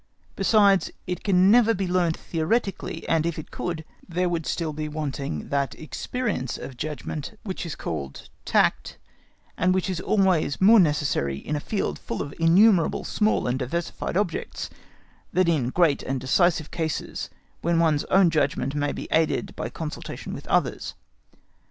Besides, it can never be learnt theoretically; and if it could, there would still be wanting that experience of judgment which is called tact, and which is always more necessary in a field full of innumerable small and diversified objects than in great and decisive cases, when one's own judgment may be aided by consultation with others.